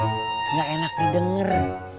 nggak enak didengar